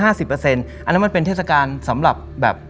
อันนั้นมันเป็นเทศกาลสำหรับแบบ